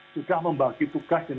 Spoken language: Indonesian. sudah membagi tugas